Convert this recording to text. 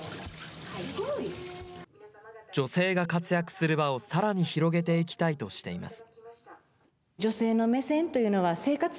女性が活躍する場をさらに広げていきたいとしています。